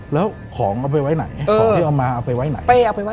แล้วของเอาไปไว้ไหนของที่เอามาเอาไปไว้ไหน